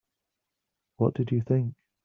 What did you think?